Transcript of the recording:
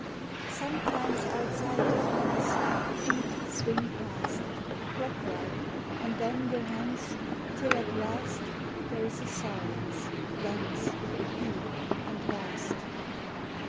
Sometimes outside the fence Feet swing past, Clock like, and then go hence, Till at last There is a silence, dense, Deep, and vast.